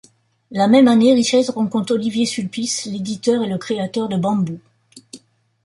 La même année, Richez rencontre Olivier Sulpice l'éditeur et le créateur de Bamboo.